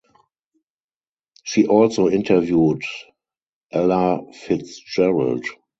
She also interviewed Ella Fitzgerald.